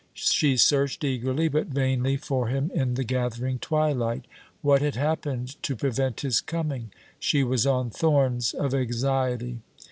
She searched eagerly but vainly for him in the gathering twilight. What had happened to prevent his coming? She was on thorns of anxiety.